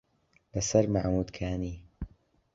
لە سەر مەحموودکانی